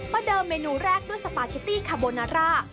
เดิมเมนูแรกด้วยสปาเกตตี้คาโบนาร่า